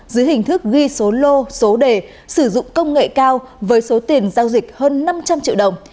dưới hình thức ghi số lô số đề sử dụng công nghệ cao với số tiền giao dịch hơn năm trăm linh triệu đồng